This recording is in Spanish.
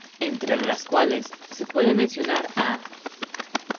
Entre las cuales se puede mencionar aː